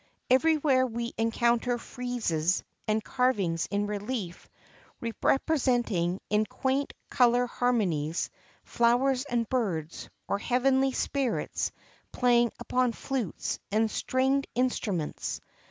Everywhere we encounter friezes and carvings in relief, rep resenting, in quaint color harmonies, flowers and birds, or heavenly spirits playing upon flutes and stringed instru ments.